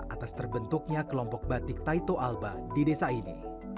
atas terbentuknya kelompok batik taito alba di desa ini